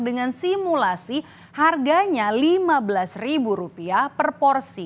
dengan simulasi harganya lima belas ribu rupiah per porsi